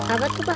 apa tuh pak